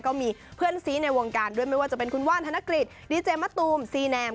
ก็มีเพื่อนซีในวงการด้วยไม่ว่าจะเป็นคุณว่านธนกฤษดีเจมะตูมซีแนม